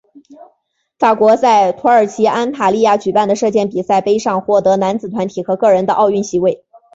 法国在土耳其安塔利亚举办的射箭世界杯上获得男子团体和个人的奥运席位。